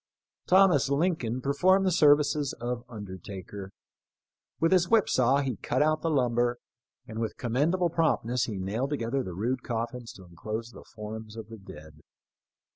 Thomas Lincoln per formed the services of undertaker. With his whip saw he cut out the lumber, and with commendable promptness he nailed together the rude coffins to enclose the forms of the dead.